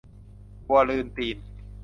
วัวลืมตีน